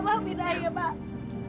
maafin ayah pak